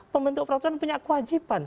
pembentuk peraturan punya kewajiban